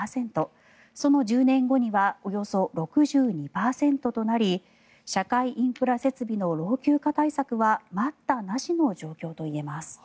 その１０年後にはおよそ６２％となり社会インフラ設備の老朽化対策は待ったなしの状況といえます。